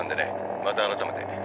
また改めて」